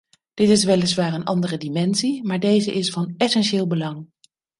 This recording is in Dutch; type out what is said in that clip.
Dit is weliswaar een andere dimensie, maar deze is van essentieel belang.